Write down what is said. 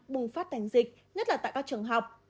bùng phát tành dịch nhất là tại các trường học